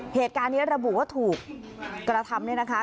เหตุการณ์นี้ระบุว่าถูกกระทำ